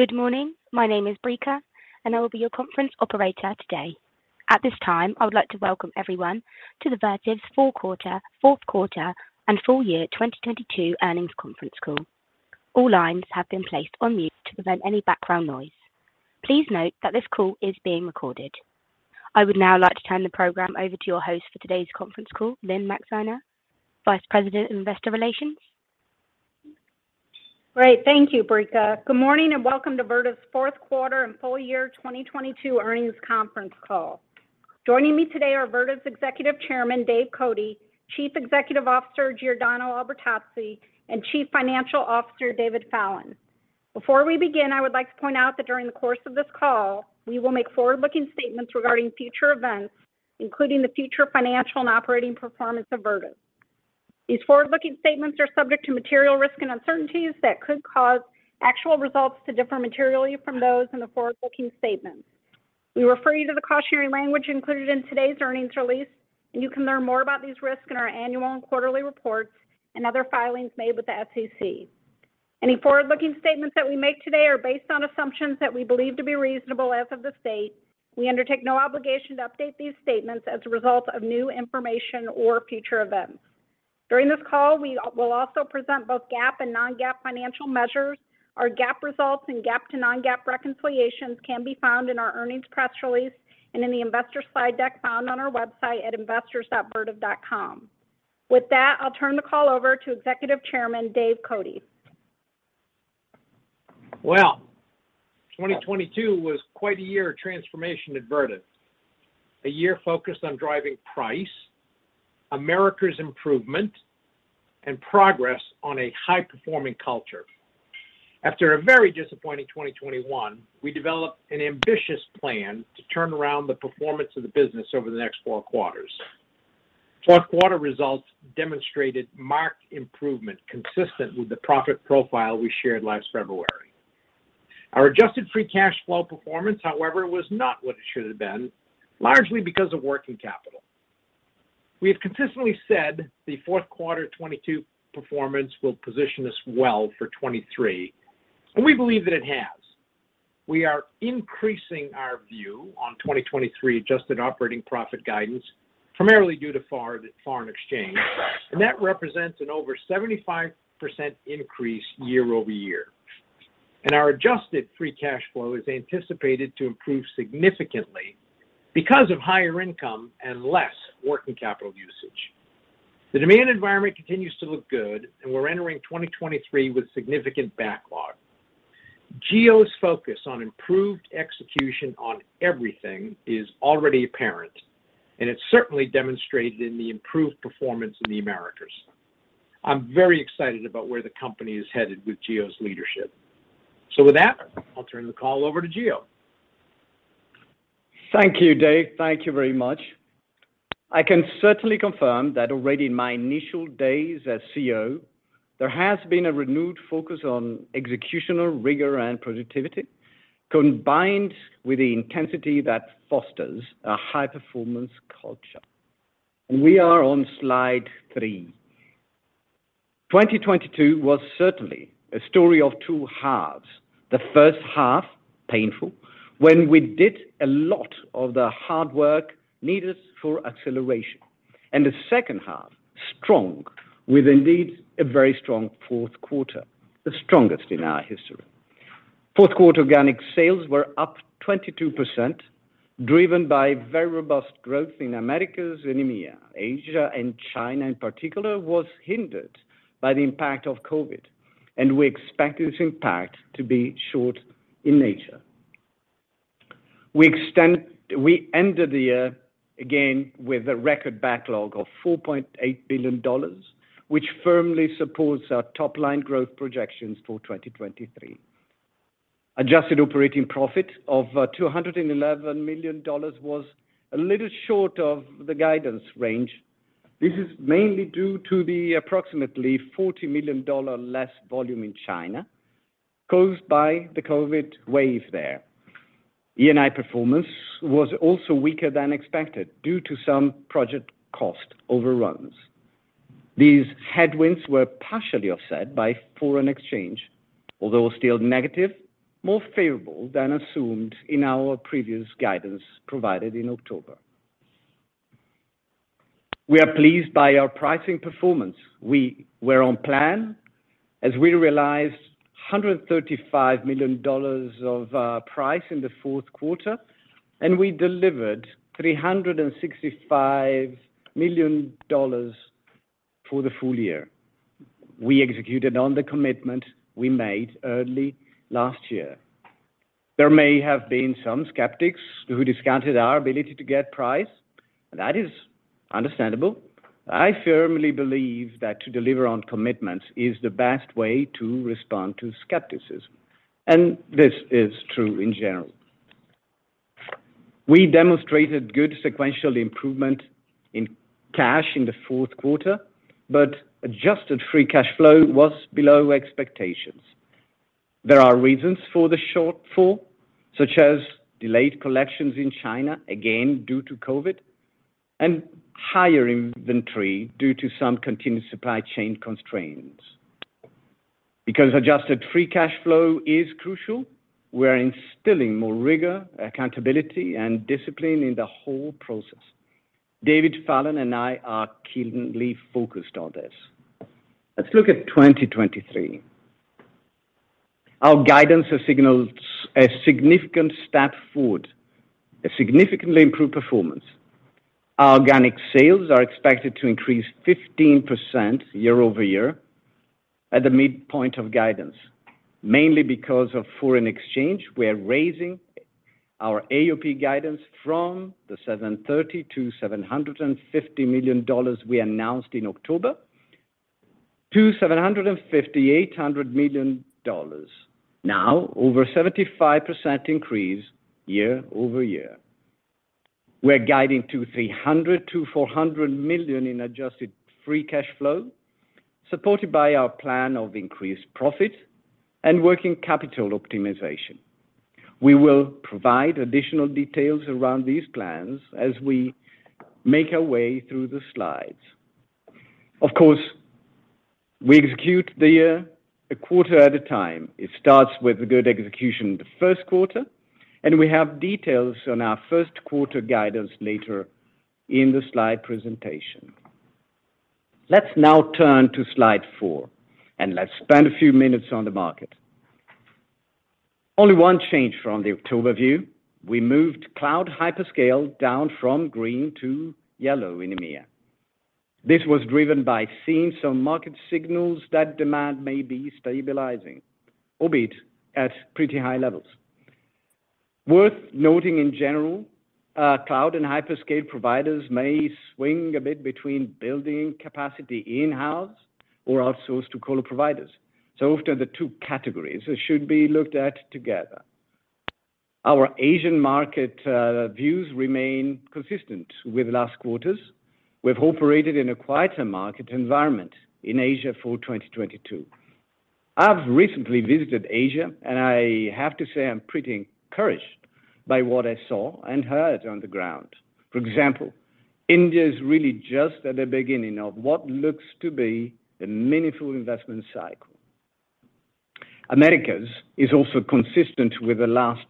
Good morning. My name is Brica. I will be your conference operator today. At this time, I would like to welcome everyone to the Vertiv's Q4 and full year 2022 earnings conference call. All lines have been placed on mute to prevent any background noise. Please note that this call is being recorded. I would now like to turn the program over to your host for today's conference call, Lynne Maxeiner, Vice President, Investor Relations. Great. Thank you, Brica. Good morning and welcome to Vertiv's Q4 and full year 2022 earnings conference call. Joining me today are Vertiv's Executive Chairman, Dave Cote, Chief Executive Officer, Giordano Albertazzi, and Chief Financial Officer, David Fallon. Before we begin, I would like to point out that during the course of this call, we will make forward-looking statements regarding future events, including the future financial and operating performance of Vertiv. These forward-looking statements are subject to material risks and uncertainties that could cause actual results to differ materially from those in the forward-looking statements. We refer you to the cautionary language included in today's earnings release, and you can learn more about these risks in our annual and quarterly reports and other filings made with the SEC. Any forward-looking statements that we make today are based on assumptions that we believe to be reasonable as of this date. We undertake no obligation to update these statements as a result of new information or future events. During this call, we will also present both GAAP and non-GAAP financial measures. Our GAAP results and GAAP to non-GAAP reconciliations can be found in our earnings press release and in the investor slide deck found on our website at investors.vertiv.com. With that, I'll turn the call over to Executive Chairman, Dave Cote. Well, 2022 was quite a year of transformation at Vertiv. A year focused on driving price, America's improvement, and progress on a high-performing culture. After a very disappointing 2021, we developed an ambitious plan to turn around the performance of the business over the next four quarters. Q4 results demonstrated marked improvement consistent with the profit profile we shared last February. Our adjusted free cash flow performance, however, was not what it should have been, largely because of working capital. We have consistently said the Q4 2022 performance will position us well for 2023, and we believe that it has. We are increasing our view on 2023 adjusted operating profit guidance, primarily due to foreign exchange. That represents an over 75% increase year-over-year. Our adjusted free cash flow is anticipated to improve significantly because of higher income and less working capital usage. The demand environment continues to look good. We're entering 2023 with significant backlog. Gio's focus on improved execution on everything is already apparent. It's certainly demonstrated in the improved performance in the Americas. I'm very excited about where the company is headed with Gio's leadership. With that, I'll turn the call over to Gio. Thank you, Dave. Thank you very much. I can certainly confirm that already in my initial days as CEO, there has been a renewed focus on executional rigor and productivity, combined with the intensity that fosters a high-performance culture. We are on slide three. 2022 was certainly a story of two halves. The H1, painful, when we did a lot of the hard work needed for acceleration. The H2, strong, with indeed a very strong Q4, the strongest in our history. Q4 organic sales were up 22%, driven by very robust growth in Americas and EMEA. Asia and China, in particular, was hindered by the impact of COVID. We expect this impact to be short in nature. We ended the year again with a record backlog of $4.8 billion, which firmly supports our top line growth projections for 2023. Adjusted operating profit of $211 million was a little short of the guidance range. This is mainly due to the approximately $40 million less volume in China caused by the COVID wave there. E&I performance was also weaker than expected due to some project cost overruns. These headwinds were partially offset by foreign exchange. Although still negative, more favorable than assumed in our previous guidance provided in October. We are pleased by our pricing performance. We were on plan as we realized $135 million of price in the Q4, and we delivered $365 million for the full year. We executed on the commitment we made early last year. There may have been some skeptics who discounted our ability to get price, and that is understandable. I firmly believe that to deliver on commitments is the best way to respond to skepticism, and this is true in general. We demonstrated good sequential improvement in cash in the Q4, but adjusted free cash flow was below expectations. There are reasons for the shortfall, such as delayed collections in China, again, due to COVID. Higher inventory due to some continued supply chain constraints. Because adjusted free cash flow is crucial, we are instilling more rigor, accountability, and discipline in the whole process. David Fallon and I are keenly focused on this. Let's look at 2023. Our guidance has signaled a significant step forward, a significantly improved performance. Our organic sales are expected to increase 15% year-over-year at the midpoint of guidance. Mainly because of foreign exchange, we are raising our AOP guidance from the $730 million-$750 million we announced in October to $750 -$800 million. Over 75% increase year-over-year. We're guiding to $300 -$400 million in adjusted free cash flow, supported by our plan of increased profit and working capital optimization. We will provide additional details around these plans as we make our way through the slides. We execute the year a quarter at a time. It starts with a good execution in the Q1. We have details on our Q1 guidance later in the slide presentation. Let's now turn to slide four. Let's spend a few minutes on the market. Only one change from the October view. We moved cloud hyperscale down from green to yellow in EMEA. This was driven by seeing some market signals that demand may be stabilizing, albeit at pretty high levels. Worth noting in general, cloud and hyperscale providers may swing a bit between building capacity in-house or outsource to co-loc providers. Often the two categories should be looked at together. Our Asian market views remain consistent with last quarter's. We've operated in a quieter market environment in Asia for 2022. I've recently visited Asia, and I have to say I'm pretty encouraged by what I saw and heard on the ground. For example, India is really just at the beginning of what looks to be a meaningful investment cycle. Americas is also consistent with the last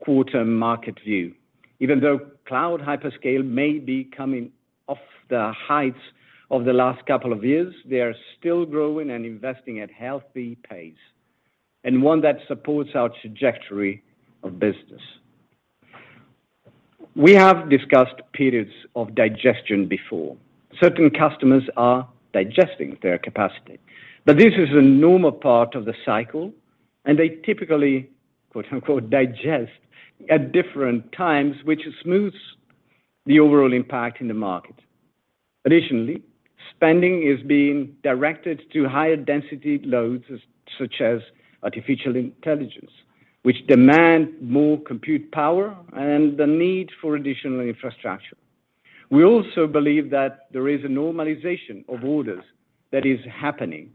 quarter market view. Even though cloud hyperscale may be coming off the heights of the last couple of years, they are still growing and investing at healthy pace, and one that supports our trajectory of business. We have discussed periods of digestion before. Certain customers are digesting their capacity. This is a normal part of the cycle, and they typically, quote, unquote, "digest" at different times, which smooths the overall impact in the market. Additionally, spending is being directed to higher density loads, such as artificial intelligence, which demand more compute power and the need for additional infrastructure. We also believe that there is a normalization of orders that is happening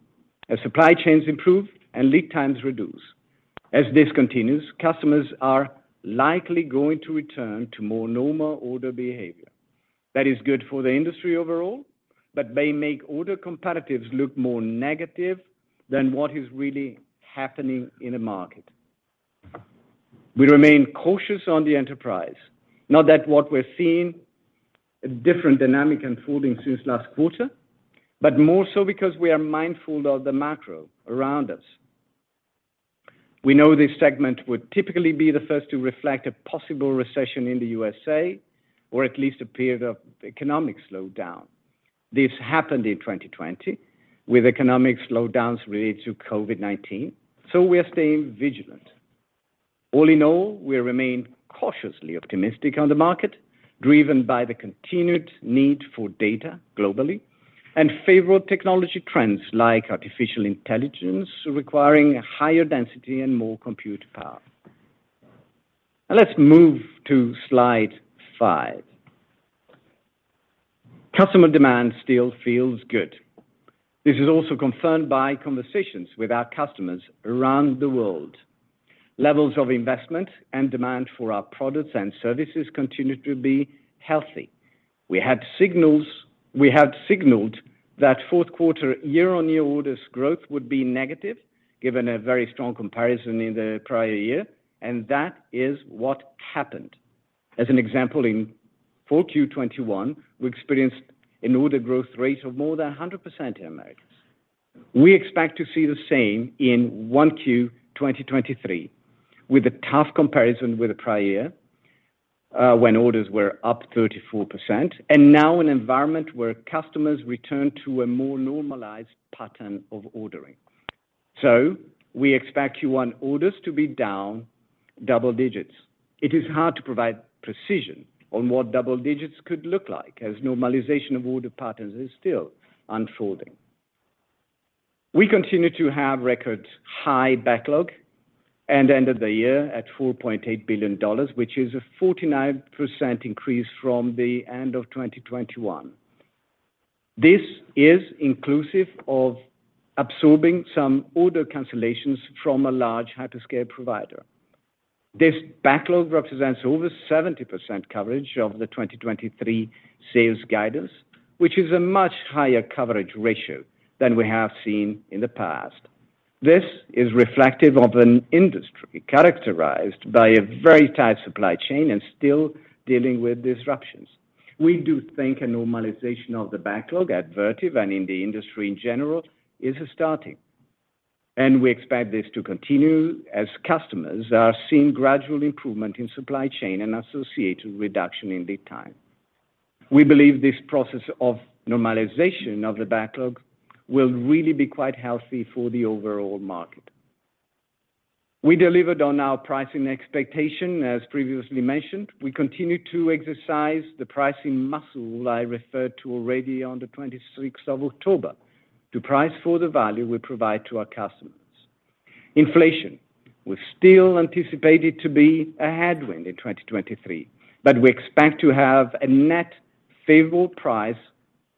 as supply chains improve and lead times reduce. As this continues, customers are likely going to return to more normal order behavior. That is good for the industry overall, but may make order comparatives look more negative than what is really happening in the market. We remain cautious on the enterprise. Not that what we're seeing a different dynamic unfolding since last quarter, but more so because we are mindful of the macro around us. We know this segment would typically be the first to reflect a possible recession in the U.S. or at least a period of economic slowdown. This happened in 2020 with economic slowdowns related to COVID-19, so we are staying vigilant. All in all, we remain cautiously optimistic on the market, driven by the continued need for data globally and favorable technology trends like artificial intelligence requiring higher density and more compute power. Now let's move to slide five. Customer demand still feels good. This is also confirmed by conversations with our customers around the world. Levels of investment and demand for our products and services continue to be healthy. We had signaled that Q4 year-on-year orders growth would be negative given a very strong comparison in the prior year. That is what happened. As an example, in full Q21, we experienced an order growth rate of more than 100% in Americas. We expect to see the same in 1Q 2023, with a tough comparison with the prior year, when orders were up 34%. Now an environment where customers return to a more normalized pattern of ordering. We expect Q1 orders to be down double digits. It is hard to provide precision on what double digits could look like, as normalization of order patterns is still unfolding. We continue to have record high backlog and ended the year at $4.8 billion, which is a 49% increase from the end of 2021. This is inclusive of absorbing some order cancellations from a large hyperscale provider. This backlog represents over 70% coverage of the 2023 sales guidance, which is a much higher coverage ratio than we have seen in the past. This is reflective of an industry characterized by a very tight supply chain and still dealing with disruptions. We do think a normalization of the backlog at Vertiv and in the industry in general is starting, and we expect this to continue as customers are seeing gradual improvement in supply chain and associated reduction in lead time. We believe this process of normalization of the backlog will really be quite healthy for the overall market. We delivered on our pricing expectation, as previously mentioned. We continue to exercise the pricing muscle I referred to already on the 26th of October to price for the value we provide to our customers. Inflation was still anticipated to be a headwind in 2023, but we expect to have a net favorable price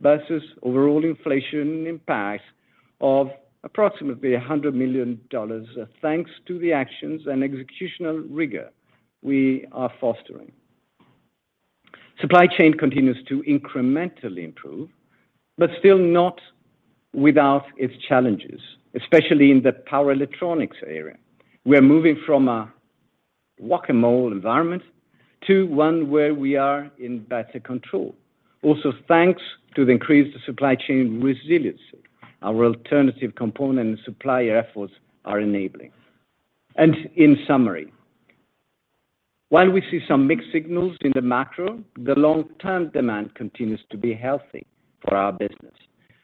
versus overall inflation impact of approximately $100 million, thanks to the actions and executional rigor we are fostering. Supply chain continues to incrementally improve, but still not without its challenges, especially in the power electronics area. We are moving from a whack-a-mole environment to one where we are in better control. Thanks to the increased supply chain resiliency our alternative component and supplier efforts are enabling. In summary, while we see some mixed signals in the macro, the long-term demand continues to be healthy for our business.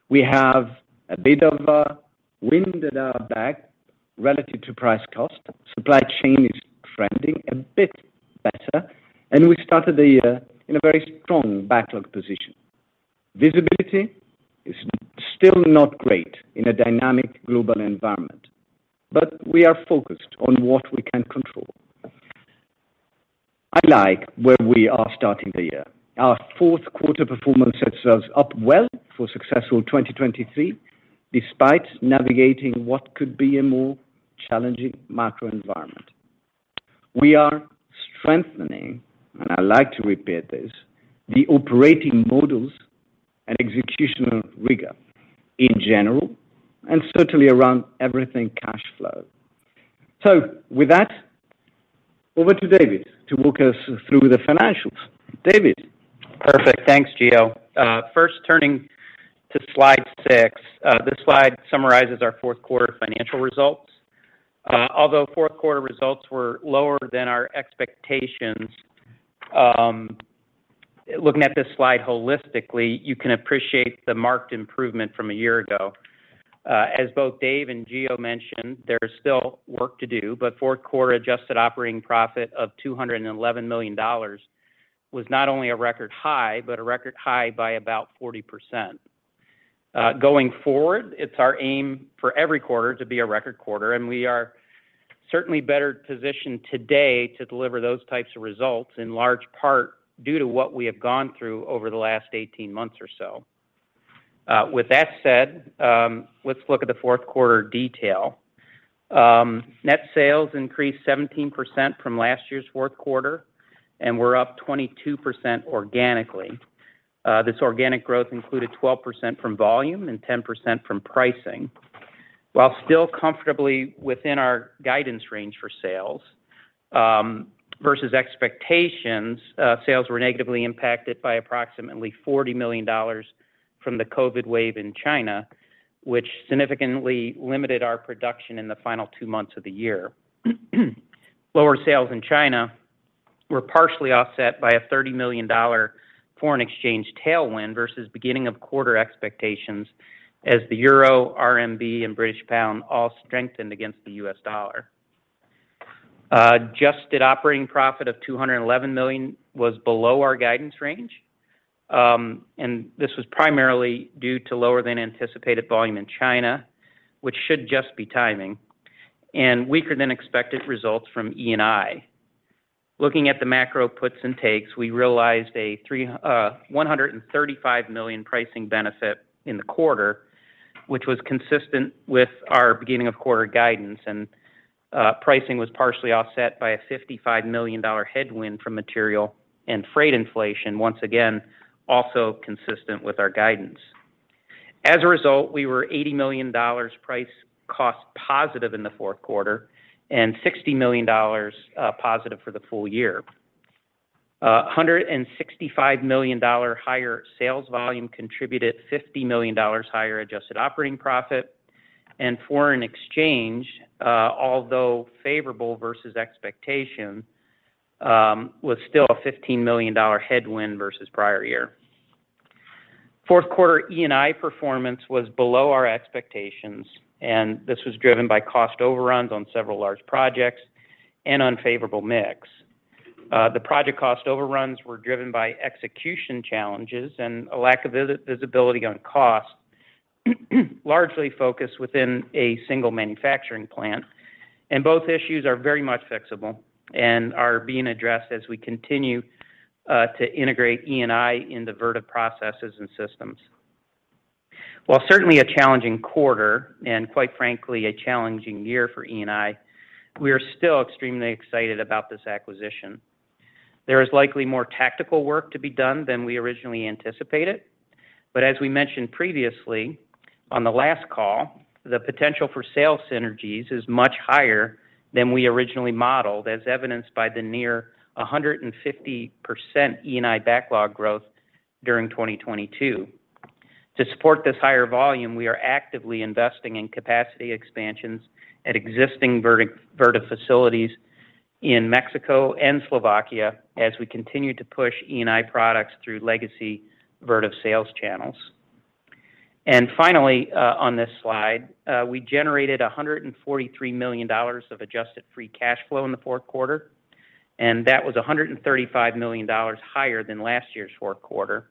We have a bit of a wind at our back relative to price cost. Supply chain is trending a bit better, and we started the year in a very strong backlog position. Visibility is still not great in a dynamic global environment, but we are focused on what we can control. I like where we are starting the year. Our Q4 performance sets us up well for successful 2023, despite navigating what could be a more challenging macro environment. We are strengthening, and I like to repeat this, the operating models and executional rigor in general and certainly around everything cash flow. With that, over to David to walk us through the financials. David? Perfect. Thanks, Gio. First turning to slide six. This slide summarizes our Q4 financial results. Although Q4 results were lower than our expectations, looking at this slide holistically, you can appreciate the marked improvement from a year ago. As both Dave and Gio mentioned, there is still work to do, Q4 adjusted operating profit of $211 million was not only a record high, but a record high by about 40%. Going forward, it's our aim for every quarter to be a record quarter, we are certainly better positioned today to deliver those types of results, in large part due to what we have gone through over the last 18 months or so. With that said, let's look at the Q4 detail. Net sales increased 17% from last year's Q4, and were up 22% organically. This organic growth included 12% from volume and 10% from pricing. Still comfortably within our guidance range for sales, versus expectations, sales were negatively impacted by approximately $40 million from the COVID wave in China, which significantly limited our production in the final two months of the year. Lower sales in China were partially offset by a $30 million foreign exchange tailwind versus beginning of quarter expectations as the euro, RMB, and British pound all strengthened against the US dollar. Adjusted operating profit of $211 million was below our guidance range, and this was primarily due to lower than anticipated volume in China, which should just be timing, and weaker than expected results from E&I. Looking at the macro puts and takes, we realized a $135 million pricing benefit in the quarter, which was consistent with our beginning of quarter guidance, and pricing was partially offset by a $55 million headwind from material and freight inflation, once again, also consistent with our guidance. As a result, we were $80 million price cost positive in the Q4 and $60 million positive for the full year. $165 million higher sales volume contributed $50 million higher adjusted operating profit. Foreign exchange, although favorable versus expectation, was still a $15 million headwind versus prior year. Q4 E&I performance was below our expectations, and this was driven by cost overruns on several large projects and unfavorable mix. The project cost overruns were driven by execution challenges and a lack of visibility on costs. Largely focused within a single manufacturing plant. Both issues are very much fixable and are being addressed as we continue to integrate E&I in the Vertiv processes and systems. While certainly a challenging quarter, and quite frankly a challenging year for E&I, we are still extremely excited about this acquisition. There is likely more tactical work to be done than we originally anticipated. As we mentioned previously on the last call, the potential for sales synergies is much higher than we originally modeled, as evidenced by the near 150% E&I backlog growth during 2022. To support this higher volume, we are actively investing in capacity expansions at existing Vertiv facilities in Mexico and Slovakia as we continue to push E&I products through legacy Vertiv sales channels. Finally, on this slide, we generated $143 million of adjusted free cash flow in the Q4, and that was $135 million higher than last year's Q4.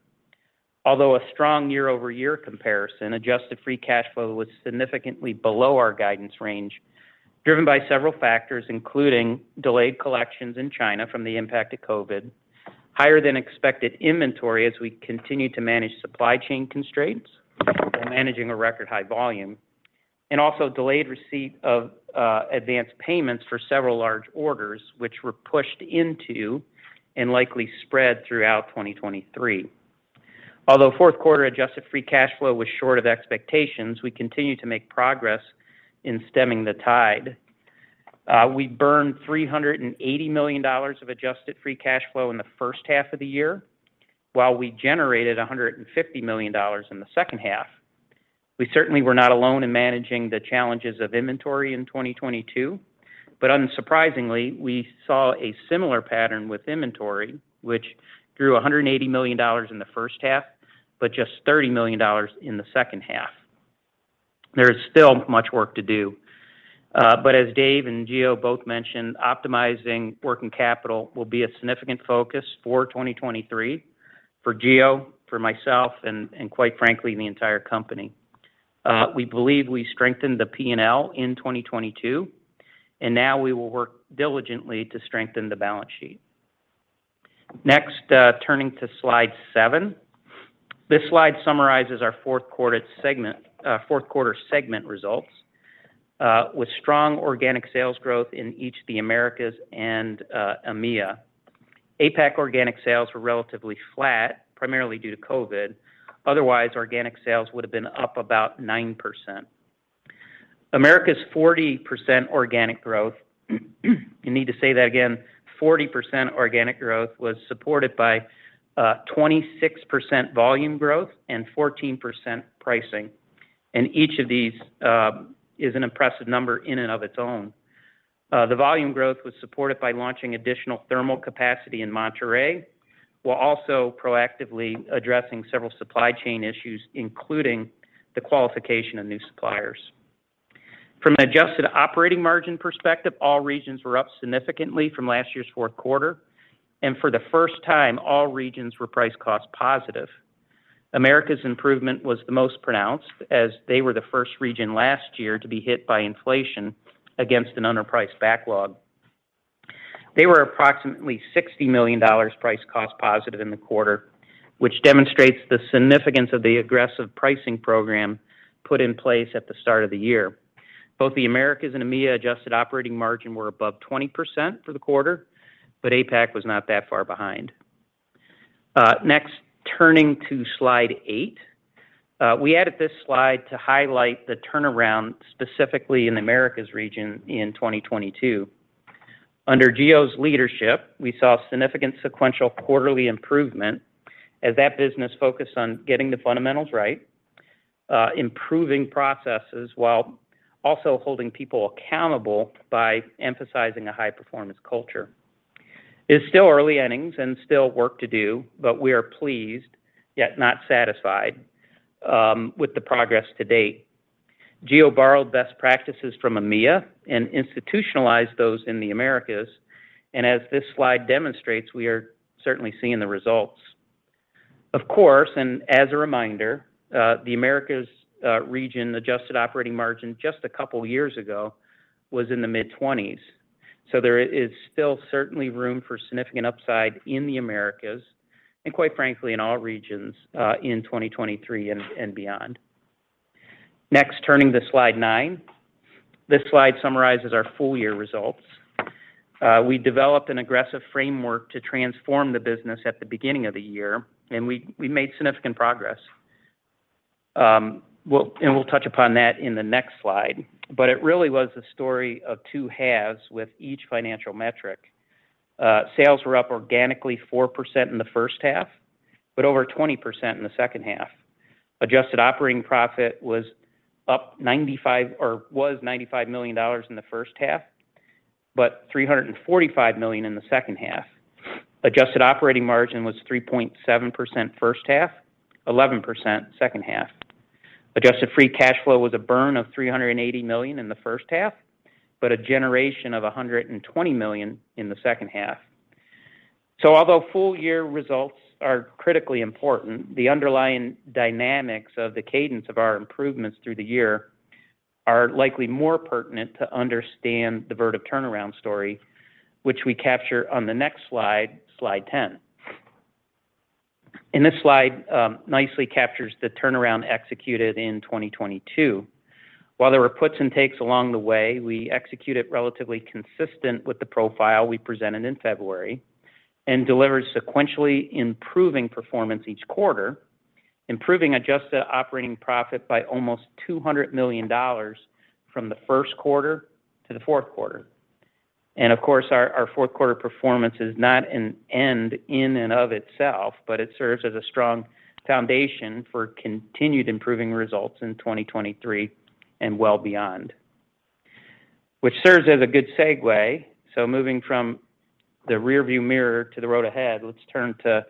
Although a strong year-over-year comparison, adjusted free cash flow was significantly below our guidance range, driven by several factors, including delayed collections in China from the impact of COVID, higher than expected inventory as we continue to manage supply chain constraints while managing a record high volume, and also delayed receipt of advanced payments for several large orders which were pushed into and likely spread throughout 2023. Although Q4 adjusted free cash flow was short of expectations, we continue to make progress in stemming the tide. We burned $380 million of adjusted free cash flow in the H1 of the year, while we generated $150 million in the H2. We certainly were not alone in managing the challenges of inventory in 2022. Unsurprisingly, we saw a similar pattern with inventory, which grew $180 million in the H1, but just $30 million in the H2. There is still much work to do. As Dave and Gio both mentioned, optimizing working capital will be a significant focus for 2023 for Gio, for myself, and quite frankly, the entire company. We believe we strengthened the P&L in 2022. Now we will work diligently to strengthen the balance sheet. Next, turning to slide seven. This slide summarizes our Q4 segment, Q4 segment results, with strong organic sales growth in each of the Americas and EMEA. APAC organic sales were relatively flat, primarily due to COVID. Otherwise, organic sales would have been up about 9%. America's 40% organic growth. I need to say that again. 40% organic growth was supported by 26% volume growth and 14% pricing. Each of these is an impressive number in and of its own. The volume growth was supported by launching additional thermal capacity in Monterrey, while also proactively addressing several supply chain issues, including the qualification of new suppliers. From an adjusted operating margin perspective, all regions were up significantly from last year's Q4, and for the first time, all regions were price cost positive. Americas improvement was the most pronounced, as they were the first region last year to be hit by inflation against an underpriced backlog. They were approximately $60 million price cost positive in the quarter, which demonstrates the significance of the aggressive pricing program put in place at the start of the year. Both the Americas and EMEA adjusted operating margin were above 20% for the quarter, but APAC was not that far behind. Next, turning to slide eight. We added this slide to highlight the turnaround, specifically in the Americas region in 2022. Under Gio's leadership, we saw significant sequential quarterly improvement as that business focused on getting the fundamentals right, improving processes while also holding people accountable by emphasizing a high-performance culture. It's still early innings and still work to do, but we are pleased, yet not satisfied, with the progress to date. Gio borrowed best practices from EMEA and institutionalized those in the Americas. As this slide demonstrates, we are certainly seeing the results. Of course, as a reminder, the Americas region adjusted operating margin just a couple years ago was in the mid-20s. There is still certainly room for significant upside in the Americas, and quite frankly, in all regions, in 2023 and beyond. Next, turning to slide nine. This slide summarizes our full year results. We developed an aggressive framework to transform the business at the beginning of the year, and we made significant progress. We'll touch upon that in the next slide. It really was a story of two halves with each financial metric. Sales were up organically 4% in the H1, but over 20% in the H2. Adjusted operating profit was up $95 million or was $95 million in the H1, but $345 million in the H2. Adjusted operating margin was 3.7% H1, 11% H2. Adjusted free cash flow was a burn of $380 million in the H1, a generation of $120 million in the H2. Although full year results are critically important, the underlying dynamics of the cadence of our improvements through the year are likely more pertinent to understand the Vertiv turnaround story, which we capture on the next slide 10. This slide nicely captures the turnaround executed in 2022. While there were puts and takes along the way, we executed relatively consistent with the profile we presented in February and delivered sequentially improving performance each quarter, improving adjusted operating profit by almost $200 million from the Q1 to the Q4. Of course, our Q4 performance is not an end in and of itself, but it serves as a strong foundation for continued improving results in 2023 and well beyond. Serves as a good segue. Moving from the rearview mirror to the road ahead, let's turn to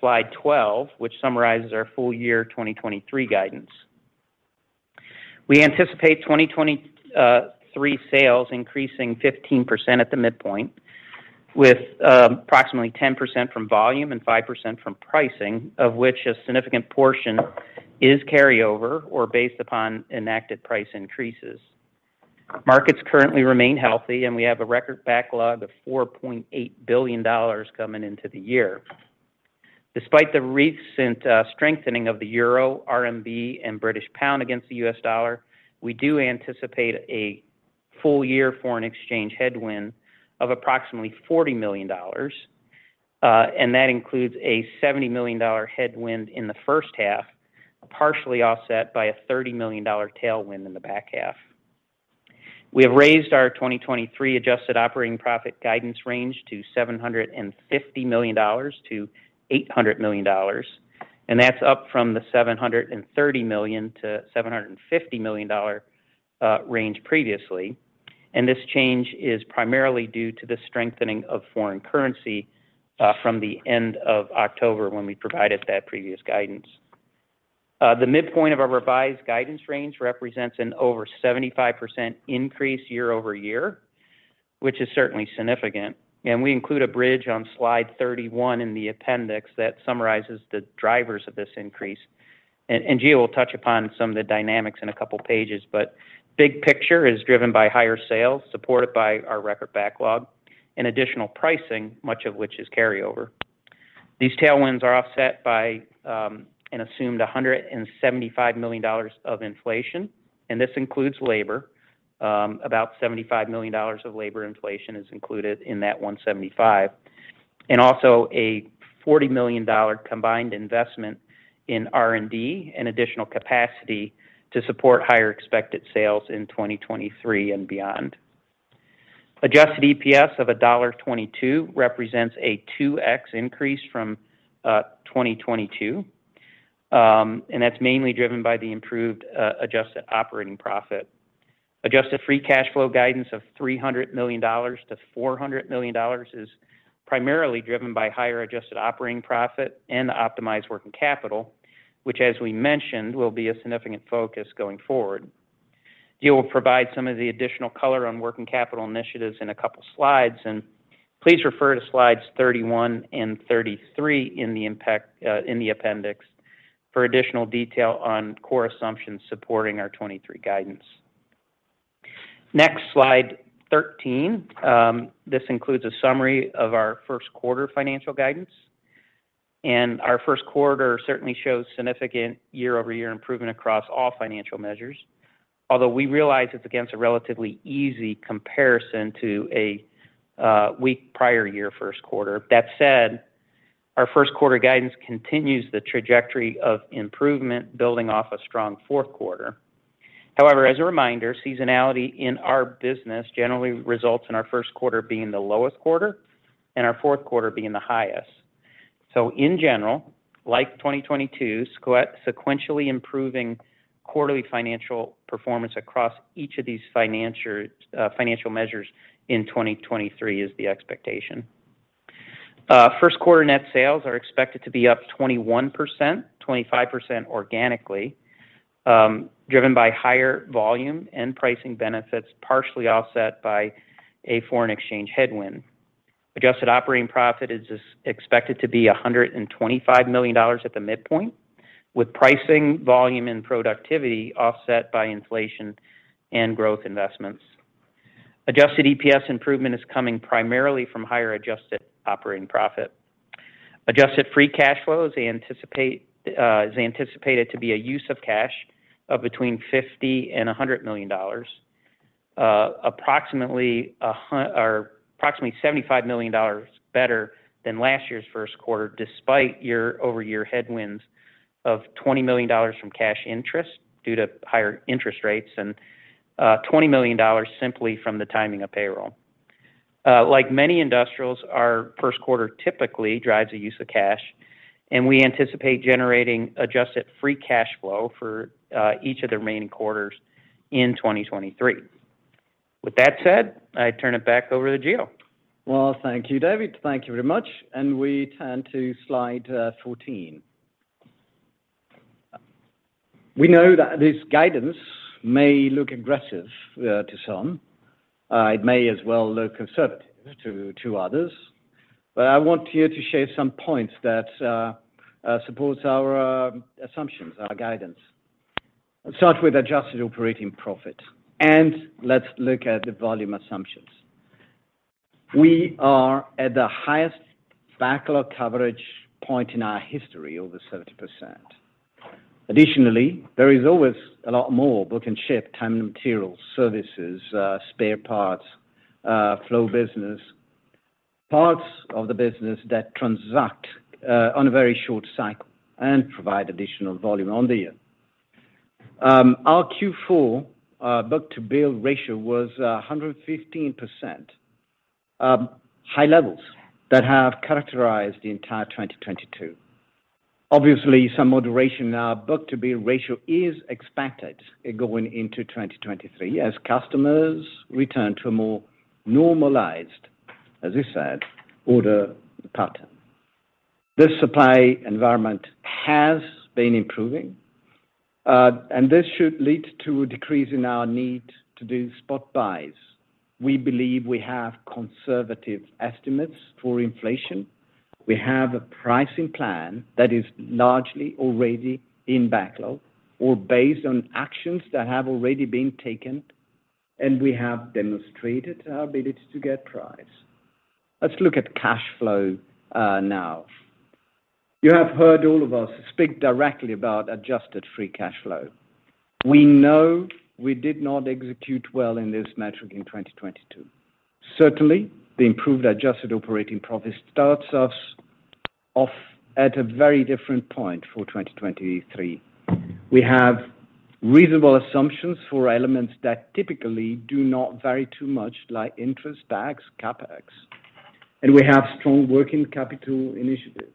slide 12, which summarizes our full year 2023 guidance. We anticipate 2023 sales increasing 15% at the midpoint, with approximately 10% from volume and 5% from pricing, of which a significant portion is carryover or based upon enacted price increases. Markets currently remain healthy, and we have a record backlog of $4.8 billion coming into the year. Despite the recent strengthening of the Euro, RMB, and British pound against the US dollar, we do anticipate a full year foreign exchange headwind of approximately $40 million. That includes a $70 million headwind in the H1, partially offset by a $30 million tailwind in the back half. We have raised our 2023 adjusted operating profit guidance range to $750-$800 million, and that's up from the $730-$750 million range previously. This change is primarily due to the strengthening of foreign currency from the end of October when we provided that previous guidance. The midpoint of our revised guidance range represents an over 75% increase year-over-year, which is certainly significant. We include a bridge on slide 31 in the appendix that summarizes the drivers of this increase. Gio will touch upon some of the dynamics in a couple pages, but big picture is driven by higher sales, supported by our record backlog and additional pricing, much of which is carryover. These tailwinds are offset by an assumed $175 million of inflation, and this includes labor. About $75 million of labor inflation is included in that $175. Also, a $40 million combined investment in R&D and additional capacity to support higher expected sales in 2023 and beyond. Adjusted EPS of $1.22 represents a 2x increase from 2022. That's mainly driven by the improved adjusted operating profit. Adjusted free cash flow guidance of $300-$400 million is primarily driven by higher adjusted operating profit and the optimized working capital, which as we mentioned, will be a significant focus going forward. Gio will provide some of the additional color on working capital initiatives in a couple slides, please refer to slides 31 and 33 in the appendix for additional detail on core assumptions supporting our 2023 guidance. Next, slide 13. This includes a summary of our Q1 financial guidance. Our Q1 certainly shows significant year-over-year improvement across all financial measures. Although we realize it's against a relatively easy comparison to a weak prior year Q1. That said, our Q1 guidance continues the trajectory of improvement building off a strong Q4. As a reminder, seasonality in our business generally results in our Q1 being the lowest quarter and our Q4 being the highest. In general, like 2022, sequentially improving quarterly financial performance across each of these financial measures in 2023 is the expectation. Q1 net sales are expected to be up 21%, 25% organically, driven by higher volume and pricing benefits, partially offset by a foreign exchange headwind. Adjusted operating profit is expected to be $125 million at the midpoint, with pricing, volume, and productivity offset by inflation and growth investments. Adjusted EPS improvement is coming primarily from higher adjusted operating profit. Adjusted free cash flows is anticipated to be a use of cash of between $50-$100 million. Approximately $75 million better than last year's Q1 despite year-over-year headwinds of $20 million from cash interest due to higher interest rates and $20 million simply from the timing of payroll. Like many industrials, our Q1 typically drives a use of cash, and we anticipate generating adjusted free cash flow for each of the remaining quarters in 2023. With that said, I turn it back over to Gio. Well, thank you, David. Thank you very much. We turn to slide 14. We know that this guidance may look aggressive to some. It may as well look conservative to others. I want here to share some points that supports our assumptions, our guidance. Let's start with adjusted operating profit, and let's look at the volume assumptions. We are at the highest backlog coverage point in our history, over 70%. Additionally, there is always a lot more book and ship time and materials, services, spare parts, flow business, parts of the business that transact on a very short cycle and provide additional volume on the year. Our Q4 book-to-bill ratio was 115%, high levels that have characterized the entire 2022. Obviously, some moderation in our book-to-bill ratio is expected going into 2023 as customers return to a more normalized, as we said, order pattern. This supply environment has been improving, and this should lead to a decrease in our need to do spot buys. We believe we have conservative estimates for inflation. We have a pricing plan that is largely already in backlog or based on actions that have already been taken, and we have demonstrated our ability to get price. Let's look at cash flow now. You have heard all of us speak directly about adjusted free cash flow. We know we did not execute well in this metric in 2022. Certainly, the improved adjusted operating profit starts us off at a very different point for 2023. We have reasonable assumptions for elements that typically do not vary too much, like interest, tax, CapEx, and we have strong working capital initiatives.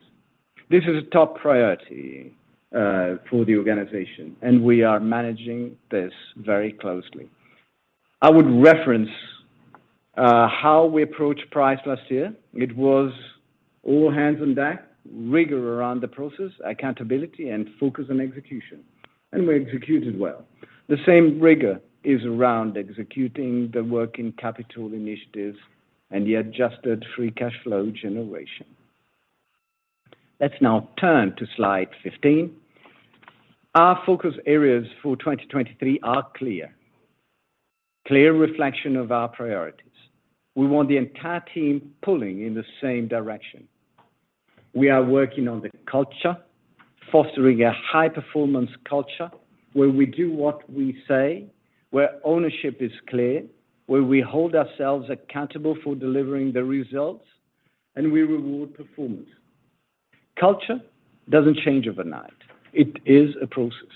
This is a top priority for the organization, and we are managing this very closely. I would reference how we approached price last year. It was all hands on deck, rigor around the process, accountability, and focus on execution. We executed well. The same rigor is around executing the working capital initiatives and the adjusted free cash flow generation. Let's now turn to slide 15. Our focus areas for 2023 are clear. Clear reflection of our priorities. We want the entire team pulling in the same direction. We are working on the culture, fostering a high-performance culture where we do what we say, where ownership is clear, where we hold ourselves accountable for delivering the results, and we reward performance. Culture doesn't change overnight. It is a process.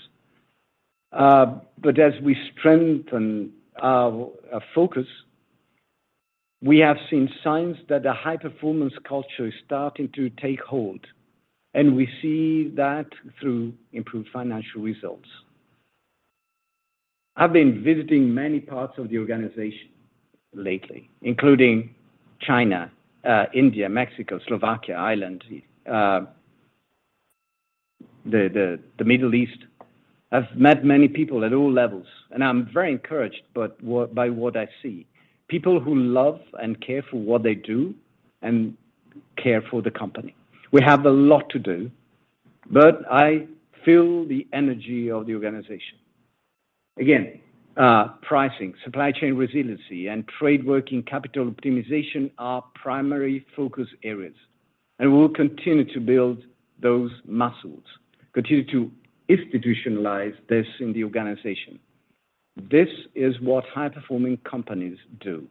As we strengthen our focus, we have seen signs that a high-performance culture is starting to take hold, and we see that through improved financial results. I've been visiting many parts of the organization lately, including China, India, Mexico, Slovakia, Ireland, the Middle East. I've met many people at all levels, I'm very encouraged by what I see. People who love and care for what they do and care for the company. We have a lot to do, I feel the energy of the organization. Again, pricing, supply chain resiliency, and trade working capital optimization are primary focus areas, and we'll continue to build those muscles, continue to institutionalize this in the organization. This is what high-performing companies do.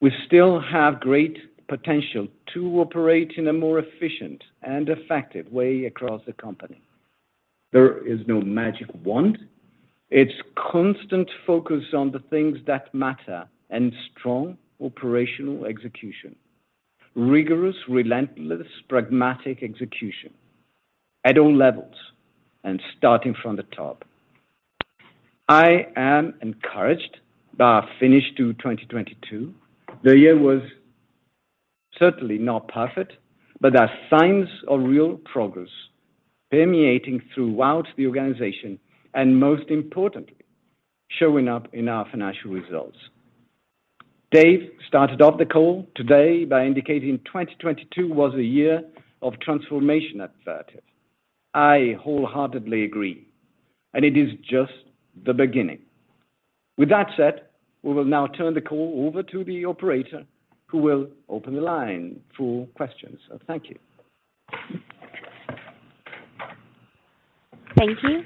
We still have great potential to operate in a more efficient and effective way across the company. There is no magic wand. It's constant focus on the things that matter and strong operational execution. Rigorous, relentless, pragmatic execution at all levels and starting from the top. I am encouraged by our finish to 2022. The year was certainly not perfect, but there are signs of real progress permeating throughout the organization and, most importantly, showing up in our financial results. Dave Cote started off the call today by indicating 2022 was a year of transformation at Vertiv. I wholeheartedly agree. It is just the beginning. With that said, we will now turn the call over to the operator, who will open the line for questions. Thank you. Thank you.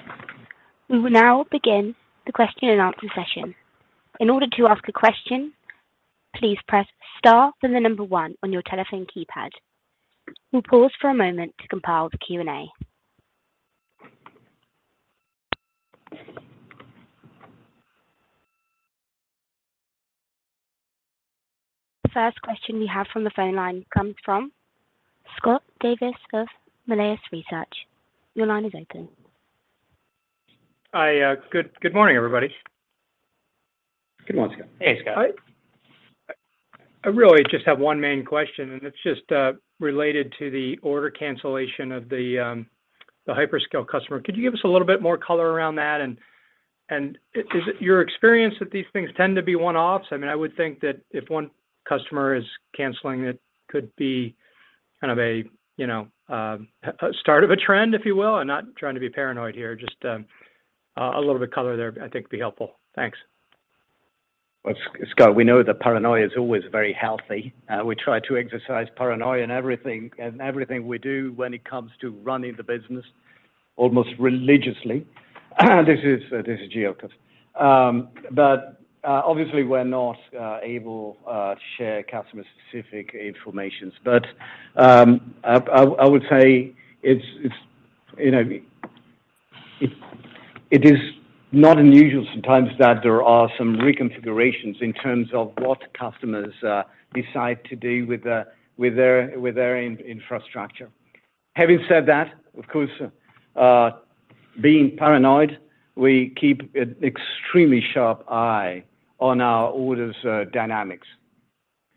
We will now begin the question and answer session. In order to ask a question, please press star then one on your telephone keypad. We'll pause for a moment to compile the Q&A. The first question we have from the phone line comes from Scott Davis of Melius Research. Your line is open. Hi. Good morning, everybody. Good morning, Scott. Hey, Scott. I really just have one main question, and it's just related to the order cancellation of the hyperscale customer. Could you give us a little bit more color around that? Is it your experience that these things tend to be one-offs? I mean, I would think that if one customer is canceling, it could be kind of a, you know, a start of a trend, if you will. I'm not trying to be paranoid here, just a little bit color there I think would be helpful. Thanks. Well, Scott, we know that paranoia is always very healthy. We try to exercise paranoia in everything, in everything we do when it comes to running the business almost religiously. This is Giocos. But obviously we're not able to share customer-specific informations. I, I would say it's, you know, it is not unusual sometimes that there are some reconfigurations in terms of what customers decide to do with their, with their, with their in-infrastructure. Having said that, of course, being paranoid, we keep an extremely sharp eye on our orders dynamics.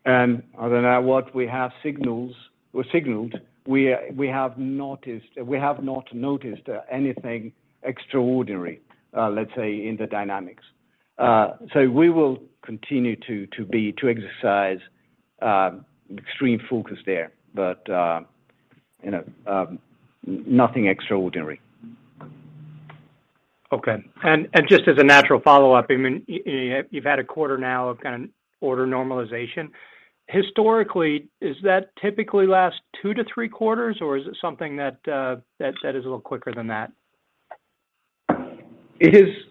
Other than that, what we have signals or signaled, we have not noticed anything extraordinary, let's say, in the dynamics. We will continue to exercise extreme focus there. You know, nothing extraordinary. Okay. Just as a natural follow-up, I mean, you've had a quarter now of kind of order normalization. Historically, is that typically last two to three quarters, or is it something that is a little quicker than that? You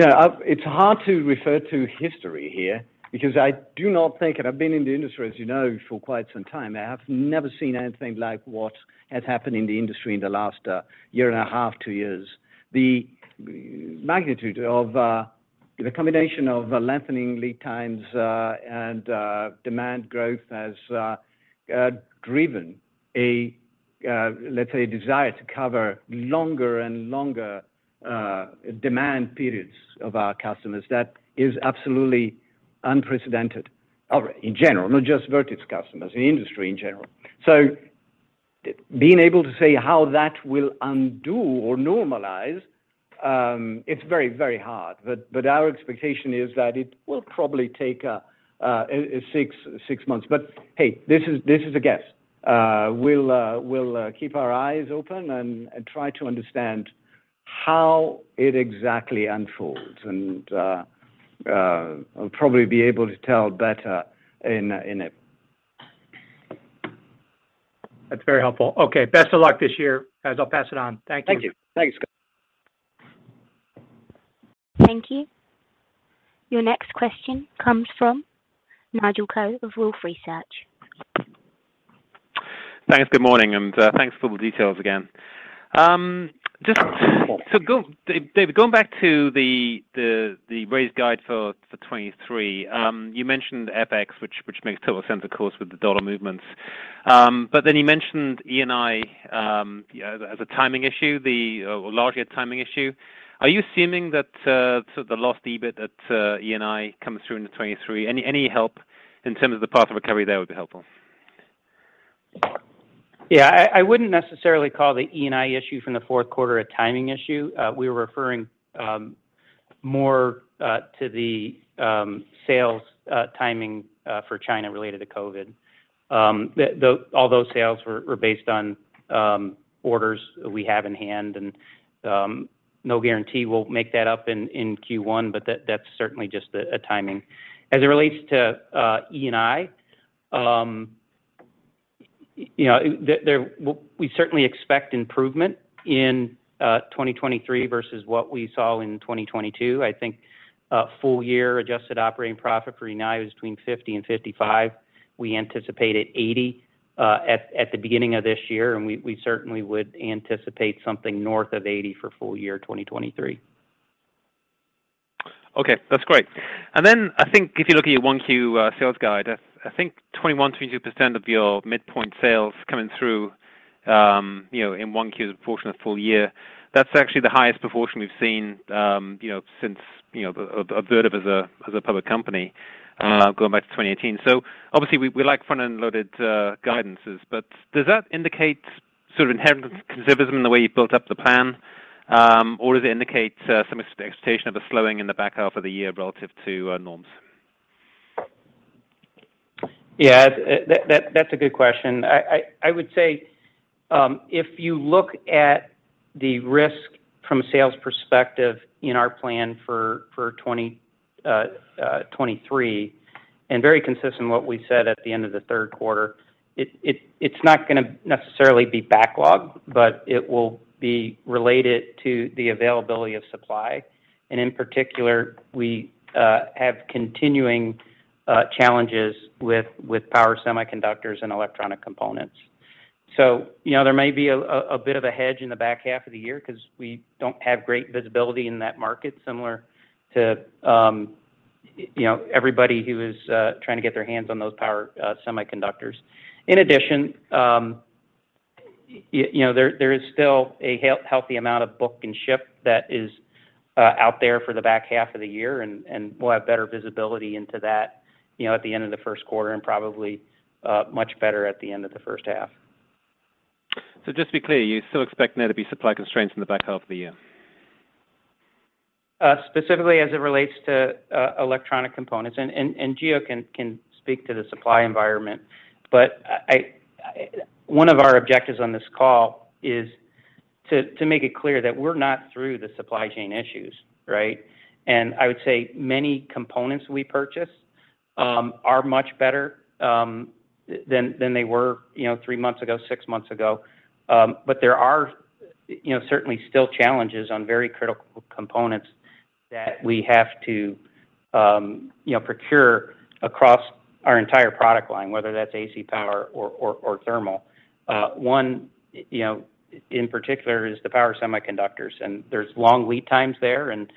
know, it's hard to refer to history here because I do not think, and I've been in the industry, as you know, for quite some time. I have never seen anything like what has happened in the industry in the last 1.5-2 years. The magnitude of the combination of lengthening lead times and demand growth has driven a, let's say, a desire to cover longer and longer demand periods of our customers that is absolutely unprecedented. In general, not just Vertiv's customers, in the industry in general. Being able to say how that will undo or normalize, it's very, very hard. Our expectation is that it will probably take 6 months. Hey, this is a guess. We'll keep our eyes open and try to understand how it exactly unfolds. I'll probably be able to tell better in a... That's very helpful. Okay. Best of luck this year, guys. I'll pass it on. Thank you. Thank you. Thanks. Thank you. Your next question comes from Nigel Coe of Wolfe Research. Thanks. Good morning, and thanks for all the details again. David, going back to the raised guide for 2023, you mentioned FX, which makes total sense, of course, with the US dollar movements. You mentioned E&I, you know, as a timing issue, the larger timing issue. Are you assuming that sort of the lost EBIT at E&I comes through into 2023? Any help in terms of the path of recovery there would be helpful. I wouldn't necessarily call the E&I issue from the Q4 a timing issue. We were referring more to the sales timing for China related to COVID. All those sales were based on orders we have in hand and no guarantee we'll make that up in Q1, but that's certainly just a timing. As it relates to E&I, you know, we certainly expect improvement in 2023 versus what we saw in 2022. I think full year adjusted operating profit for E&I was between 50 and 55. We anticipated 80 at the beginning of this year, and we certainly would anticipate something north of 80 for full year 2023. Okay. That's great. I think if you look at your 1Q sales guide, I think 21%-22% of your midpoint sales coming through, you know, in 1Q is a portion of full year. That's actually the highest proportion we've seen, you know, since, you know, of Vertiv as a, as a public company, going back to 2018. Obviously, we like front-end loaded guidances, but does that indicate sort of inherent conservatism in the way you built up the plan? Or does it indicate some expectation of a slowing in the back half of the year relative to norms? Yeah. That's a good question. I would say, if you look at the risk from a sales perspective in our plan for 2023, and very consistent what we said at the end of the Q3, it's not gonna necessarily be backlog, but it will be related to the availability of supply. In particular, we have continuing challenges with power semiconductors and electronic components. You know, there may be a bit of a hedge in the back half of the year 'cause we don't have great visibility in that market similar to, you know, everybody who is trying to get their hands on those power semiconductors. In addition. You know, there is still a healthy amount of book and ship that is out there for the back half of the year, and we'll have better visibility into that, you know, at the end of the Q1 and probably much better at the end of the H1. Just to be clear, you still expect there to be supply constraints in the back half of the year? Specifically as it relates to electronic components. Gio can speak to the supply environment. One of our objectives on this call is to make it clear that we're not through the supply chain issues, right? I would say many components we purchase are much better than they were, you know, three months ago, six months ago. There are, you know, certainly still challenges on very critical components that we have to, you know, procure across our entire product line, whether that's AC power or thermal. One, you know, in particular is the power semiconductors, there's long lead times there and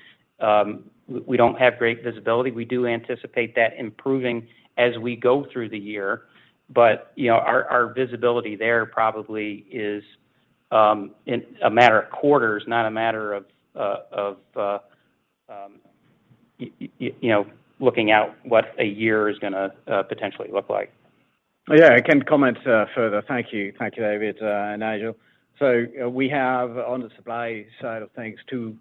we don't have great visibility. We do anticipate that improving as we go through the year. you know, our visibility there probably is, in a matter of quarters, not a matter of, you know, looking out what a year is gonna potentially look like. Yeah, I can comment further. Thank you. Thank you, David, and Nigel. We have on the supply side of things two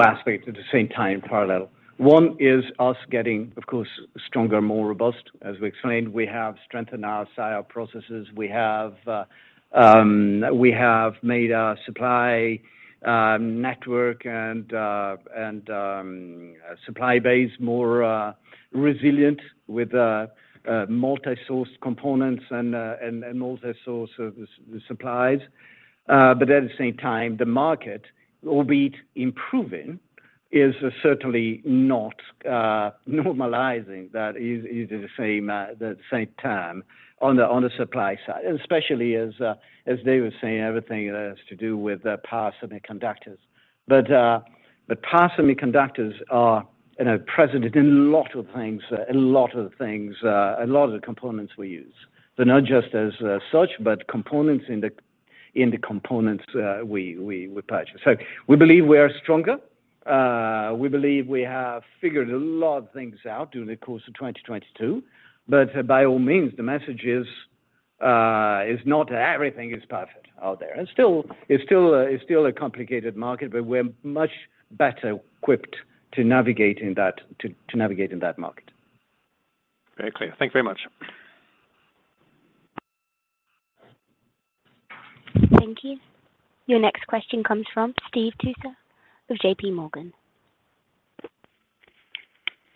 aspects at the same time in parallel. One is us getting, of course, stronger, more robust. As we explained, we have strengthened our side of processes. We have made our supply network and supply base more resilient with multi-source components and multi-source of supplies. But at the same time, the market, albeit improving, is certainly not normalizing that easy to say the same term on the supply side. Especially as David was saying, everything that has to do with the power semiconductors. Power semiconductors are, you know, present in a lot of things, a lot of the components we use. They're not just as such, but components in the components we purchase. We believe we are stronger. We believe we have figured a lot of things out during the course of 2022. By all means, the message is not everything is perfect out there. It's still a complicated market, but we're much better equipped to navigate in that market. Very clear. Thank you very much. Thank you. Your next question comes from Steve Tusa of JPMorgan.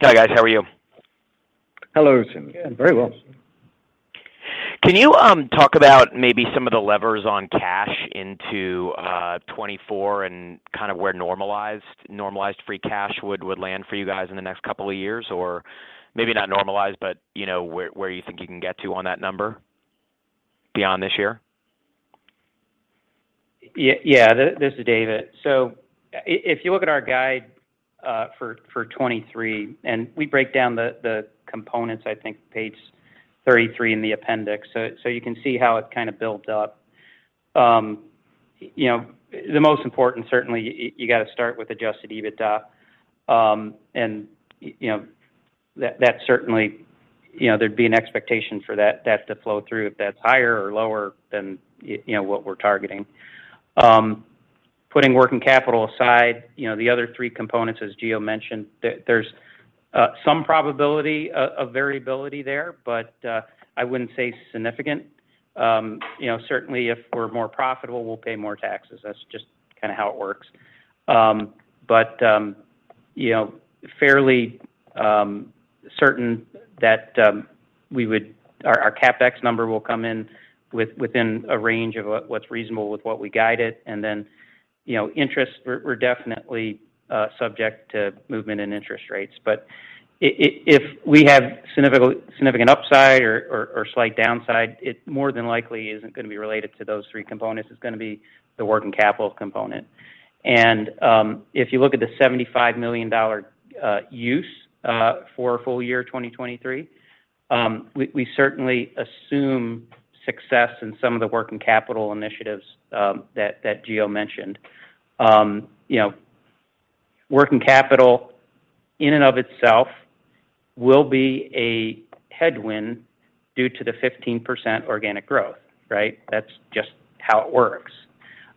Hi, guys. How are you? Hello, Steve. Good. Very well. Can you talk about maybe some of the levers on cash into 2024 and kind of where normalized free cash would land for you guys in the next couple of years? Or maybe not normalized, but you know, where you think you can get to on that number beyond this year? Yeah. Yeah. This is David. If you look at our guide for 2023, and we break down the components, I think page 33 in the appendix. You can see how it's kind of built up. You know, the most important, certainly you got to start with adjusted EBITDA. You know, that's certainly, you know, there'd be an expectation for that to flow through if that's higher or lower than you know, what we're targeting. Putting working capital aside, you know, the other three components, as Gio mentioned, there's some probability of variability there, I wouldn't say significant. You know, certainly if we're more profitable, we'll pay more taxes. That's just kinda how it works. You know, fairly certain that we would... Our CapEx number will come in within a range of what's reasonable with what we guided. You know, interest, we're definitely subject to movement in interest rates. If we have significant upside or slight downside, it more than likely isn't gonna be related to those three components. It's gonna be the working capital component. If you look at the $75 million use for full year 2023, we certainly assume success in some of the working capital initiatives that Gio mentioned. You know, working capital in and of itself will be a headwind due to the 15% organic growth, right? That's just how it works.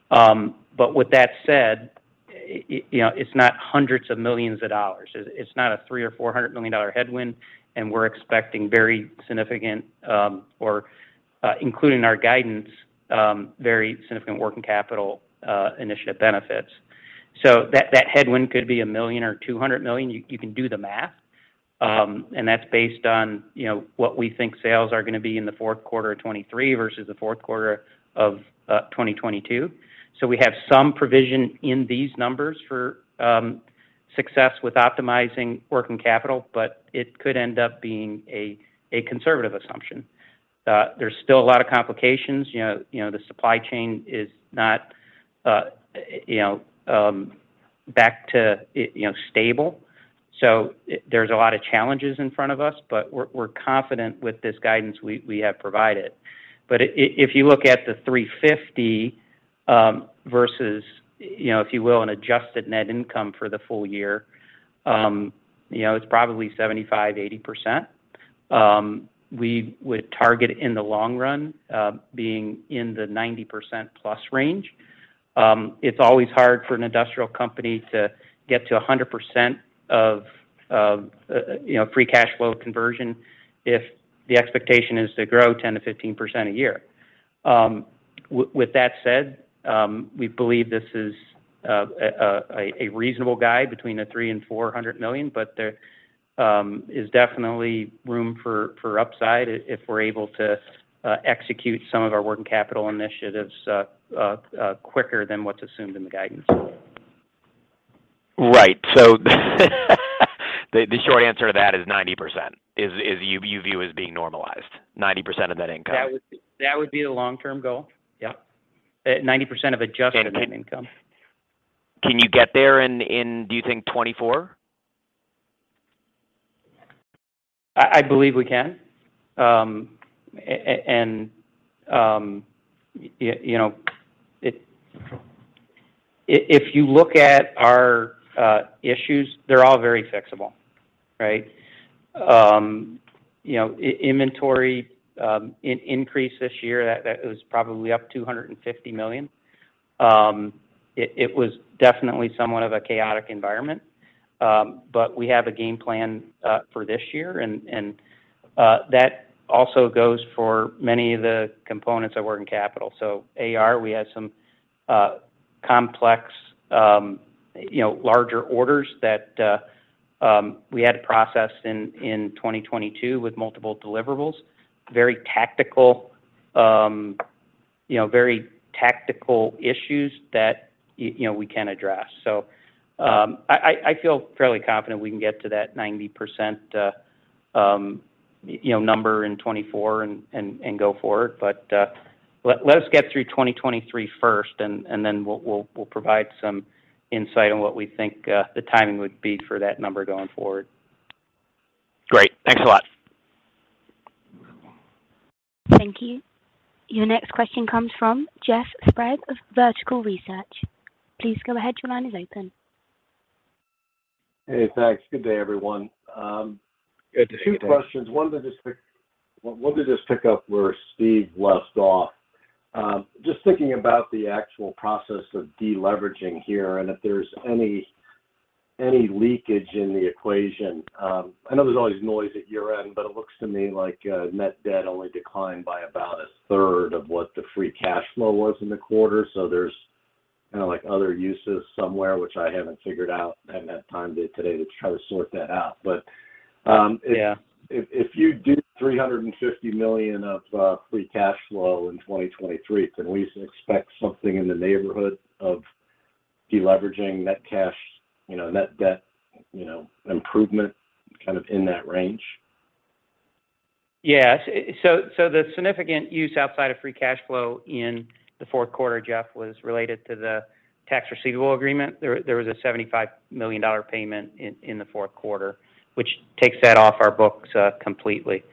With that said, you know, it's not hundreds of millions of dollars. It's not a $300 million or $400 million headwind. We're expecting very significant, including our guidance, very significant working capital initiative benefits. That headwind could be $1 million or $200 million. You can do the math. That's based on, you know, what we think sales are gonna be in the Q4 of 2023 versus the Q4 of 2022. We have some provision in these numbers for success with optimizing working capital, but it could end up being a conservative assumption. There's still a lot of complications. You know, you know, the supply chain is not, you know, back to, you know, stable. There's a lot of challenges in front of us, but we're confident with this guidance we have provided. If you look at the $350, versus, you know, if you will, an adjusted net income for the full year, you know, it's probably 75%-80%. We would target in the long run, being in the 90%+ range. It's always hard for an industrial company to get to 100% of, you know, free cash flow conversion if the expectation is to grow 10%-15% a year. With that said, we believe this is a reasonable guide between $300-$400 million, but there is definitely room for upside if we're able to execute some of our working capital initiatives quicker than what's assumed in the guidance. Right. The short answer to that is 90% is you view as being normalized, 90% of net income. That would be the long-term goal. Yep. 90% of adjusted net income. Can you get there in, do you think 2024? I believe we can. You know, if you look at our issues, they're all very fixable, right? You know, inventory increase this year, that was probably up $250 million. It was definitely somewhat of a chaotic environment. We have a game plan for this year and that also goes for many of the components of working capital. AR, we had some complex, you know, larger orders that we had to process in 2022 with multiple deliverables. Very tactical, you know, very tactical issues that you know, we can address. I feel fairly confident we can get to that 90%, you know, number in 2024 and go forward. Let's get through 2023 first and then we'll provide some insight on what we think, the timing would be for that number going forward. Great. Thanks a lot. Thank you. Your next question comes from Jeff Sprague of Vertical Research. Please go ahead. Your line is open. Hey, thanks. Good day, everyone. Good day. Two questions. One to just pick up where Steve left off. Just thinking about the actual process of deleveraging here, and if there's any leakage in the equation. I know there's always noise at year-end, but it looks to me like net debt only declined by about a third of what the free cash flow was in the quarter. There's kinda like other uses somewhere, which I haven't figured out. I haven't had time today to try to sort that out. Yeah. If you do $350 million of free cash flow in 2023, can we expect something in the neighborhood of deleveraging net cash, you know, net debt, you know, improvement kind of in that range? The significant use outside of free cash flow in the Q4, Jeff, was related to the tax receivable agreement. There was a $75 million payment in the Q4, which takes that off our books completely.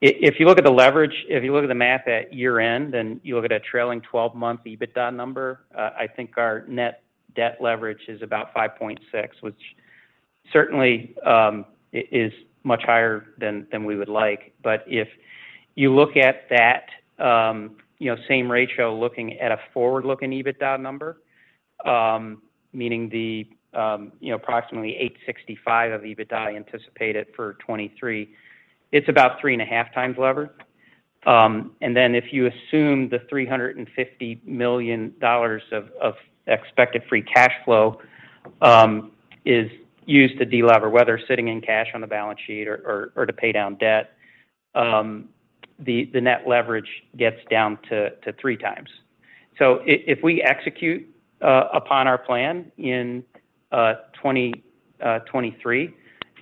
If you look at the leverage, if you look at the math at year-end, and you look at a trailing 12-month EBITDA number, I think our net debt leverage is about 5.6, which certainly is much higher than we would like. If you look at that, you know, same ratio looking at a forward-looking EBITDA number, meaning the, you know, approximately $865 million of EBITDA anticipated for 2023, it's about 3.5 times levered. Then if you assume the $350 million of expected free cash flow is used to delever, whether sitting in cash on the balance sheet or to pay down debt, the net leverage gets down to three times. If we execute upon our plan in 2023,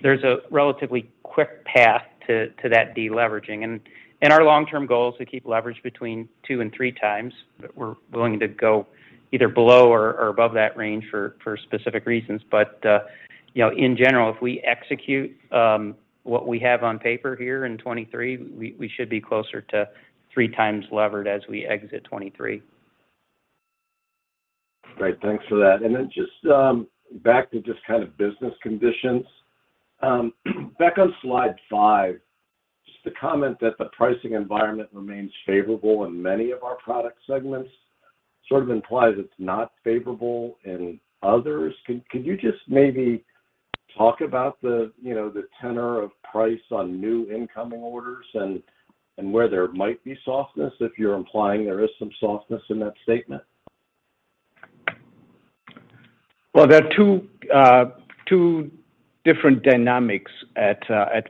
there's a relatively quick path to that deleveraging. Our long-term goal is to keep leverage between two and three times, but we're willing to go either below or above that range for specific reasons. You know, in general, if we execute what we have on paper here in 2023, we should be closer to three times levered as we exit 2023. Great. Thanks for that. Then just back to just kind of business conditions. Back on slide five, just the comment that the pricing environment remains favorable in many of our product segments sort of implies it's not favorable in others. Can you just maybe talk about the, you know, the tenor of price on new incoming orders and where there might be softness, if you're implying there is some softness in that statement? Well, there are two different dynamics at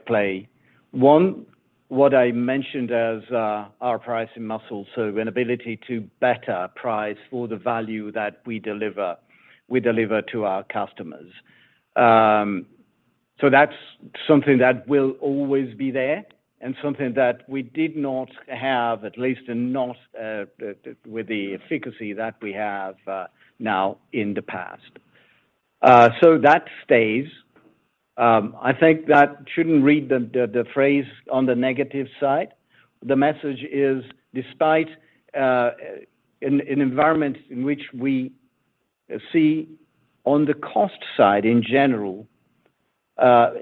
play. One, what I mentioned as our pricing muscle, so an ability to better price for the value that we deliver, we deliver to our customers. That's something that will always be there and something that we did not have, at least not with the efficacy that we have now in the past. That stays. I think that shouldn't read the phrase on the negative side. The message is despite in environment in which we see on the cost side in general,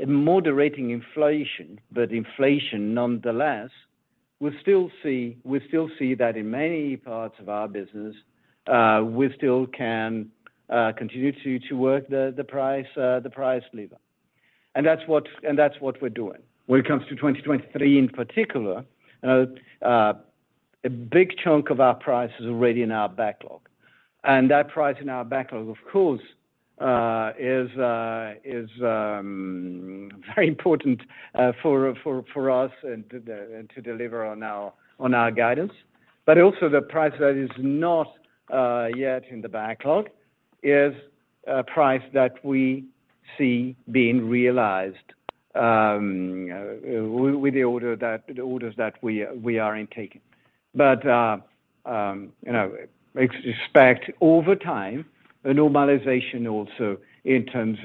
moderating inflation, but inflation nonetheless, we still see that in many parts of our business, we still can continue to work the price lever. That's what we're doing. When it comes to 2023 in particular, a big chunk of our price is already in our backlog. That price in our backlog, of course, is very important for us and to deliver on our guidance. Also the price that is not yet in the backlog is a price that we see being realized, with the orders that we are in taking. You know, expect over time, a normalization also in terms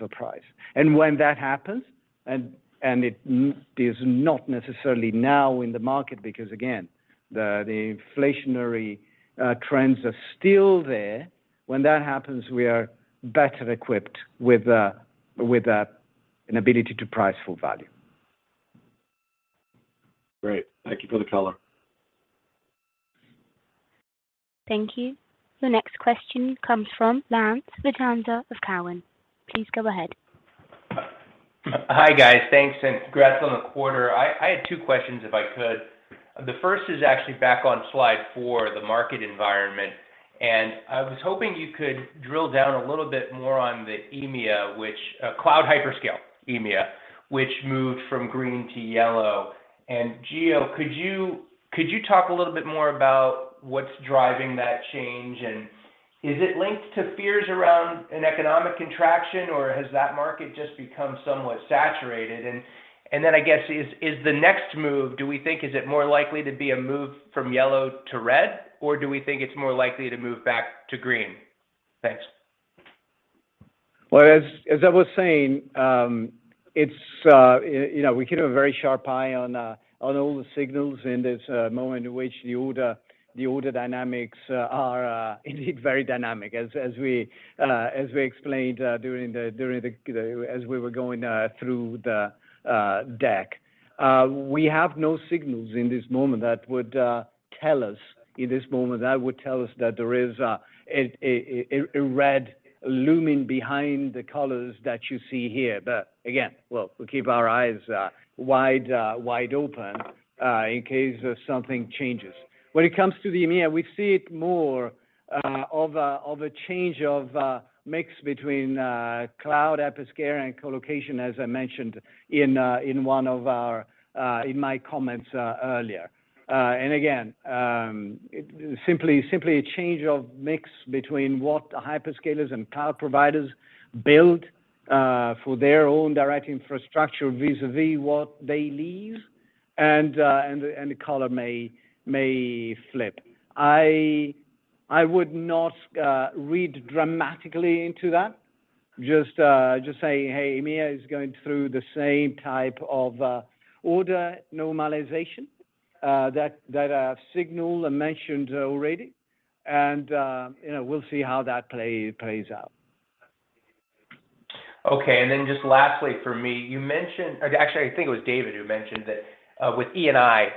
of price. When that happens, and it is not necessarily now in the market, because again, the inflationary trends are still there. When that happens, we are better equipped with an ability to price full value. Great. Thank you for the color. Thank you. The next question comes from Lance Vitanza of Cowen. Please go ahead. Hi, guys. Thanks, and congrats on the quarter. I had two questions, if I could. The first is actually back on slide four, the market environment. I was hoping you could drill down a little bit more on the EMEA, which cloud hyperscale, EMEA, which moved from green to yellow. Gio, could you talk a little bit more about what's driving that change? Is it linked to fears around an economic contraction, or has that market just become somewhat saturated? Then I guess, is the next move, do we think is it more likely to be a move from yellow to red, or do we think it's more likely to move back to green? Thanks. Well, as I was saying, you know, we keep a very sharp eye on all the signals. There's a moment in which the order dynamics are indeed very dynamic as we explained during the, as we were going through the deck. We have no signals in this moment that would tell us, in this moment, that would tell us that there is a red looming behind the colors that you see here. Again, well, we keep our eyes wide open in case something changes. When it comes to the EMEA, we see it more of a change of a mix between cloud, hyperscaler, and colocation, as I mentioned in my comments earlier. Again, simply a change of mix between what the hyperscalers and cloud providers build for their own direct infrastructure vis-a-vis what they leave, and the colocation may flip. I would not read dramatically into that. Just saying, hey, EMEA is going through the same type of order normalization that I've signaled and mentioned already. You know, we'll see how that plays out. Okay. Then just lastly for me, or actually, I think it was David who mentioned that with E&I,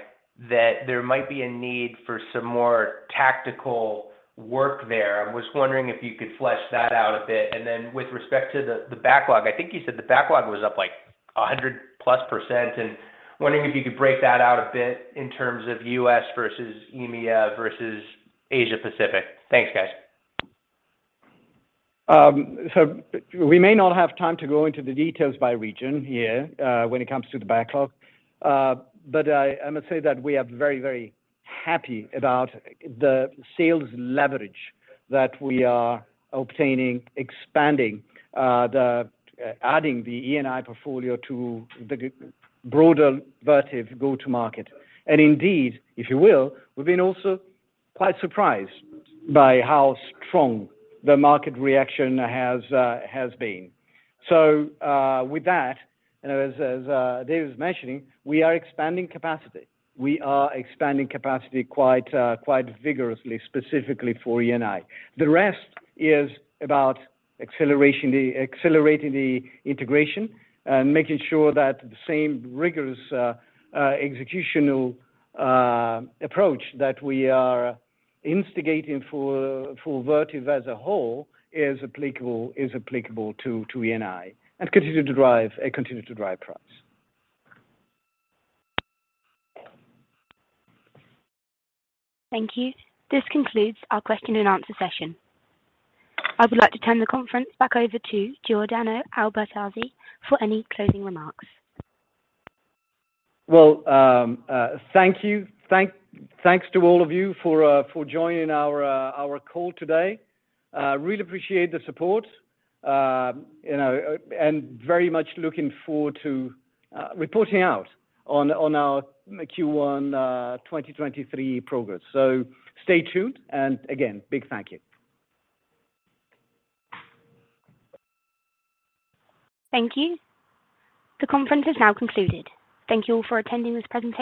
that there might be a need for some more tactical work there. I was wondering if you could flesh that out a bit. Then with respect to the backlog, I think you said the backlog was up like 100 plus %. Wondering if you could break that out a bit in terms of US versus EMEA versus Asia-Pacific. Thanks, guys. We may not have time to go into the details by region here, when it comes to the backlog. I must say that we are very, very happy about the sales leverage that we are obtaining, expanding, adding the E&I portfolio to the broader Vertiv go-to-market. Indeed, if you will, we've been also quite surprised by how strong the market reaction has been. With that, you know, as David was mentioning, we are expanding capacity. We are expanding capacity quite vigorously, specifically for E&I. The rest is about accelerating the integration and making sure that the same rigorous, executional, approach that we are instigating for Vertiv as a whole is applicable to E&I and continue to drive price. Thank you. This concludes our question and answer session. I would like to turn the conference back over to Giordano Albertazzi for any closing remarks. Well, thank you. Thanks to all of you for joining our call today. Really appreciate the support, you know, and very much looking forward to reporting out on our Q1 2023 progress. Stay tuned, and again, big thank you. Thank you. The conference is now concluded. Thank you all for attending this presentation.